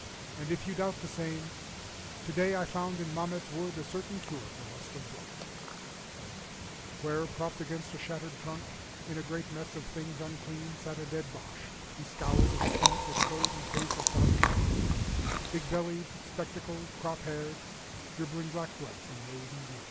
and if you doubt the same, Today I found in Mametz WoodA certain cure for lust of blood:Where, propped against a shattered trunk, In a great mess of things unclean, Sat a dead Boche; he scowled and stunkWith clothes and face a sodden green, Big bellied, spectacled, crop haired, Dribbling black blood from nose and beard.